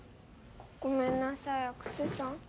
ごめんなさい阿久津さん。